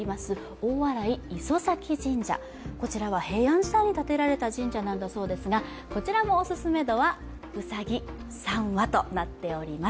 大洗磯前神社、こちらは平安時代に建てられた神社なんだそうですが、こちらもおすすめ度はうさぎ３羽となっております。